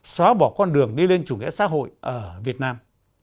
xóa bỏ con đường đi lên chủ nghĩa xã hội ở việt nam